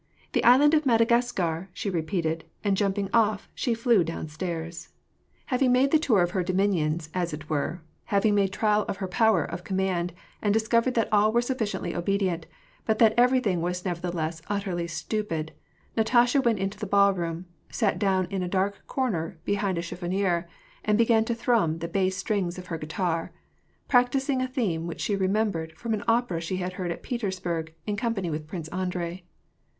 The Island of Madagas car !" she repeated, and jumping off, she flew downstairs. WAR AND PEACE. 285 Having made the toiir of her dominions, as it were, having made trial of her power of command, and discovered that all were sufficiently obedient, but that everything was neverthe less utterly stupid, Natasha went into the ballroom, sat down in a dark comer behind a chiffonier^ and began to thrum the bass strings of her guitar, practising a theme which she re membered from an opera she had heard at Petersburg in com pany with Prince Andrei.